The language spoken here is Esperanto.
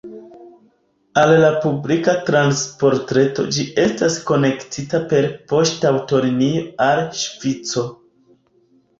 Al la publika transportreto ĝi estas konektita per poŝtaŭtolinio al Ŝvico.